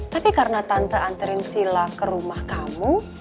tapi karena tante anterin sila ke rumah kamu